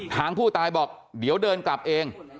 ทางผู้ตายบอกเดี๋ยวเดินกลับเอง